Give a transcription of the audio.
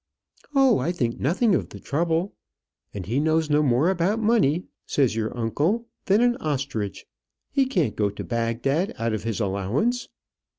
"Oh! I think nothing of the trouble. 'And he knows no more about money,' says your uncle, 'than an ostrich. He can't go to Bagdad out of his allowance.'